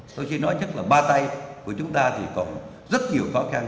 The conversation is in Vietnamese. tôi chỉ nói chắc là ba tay của chúng ta thì còn rất nhiều khó khăn